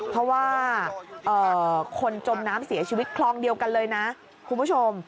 เพราะว่าคนจมน้ำเสียชีวิตคลองเดียวกันเลยนะคุณผู้ชม